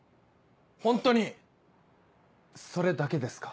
ホントにそれだけですか？